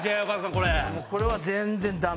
これは全然ダメ。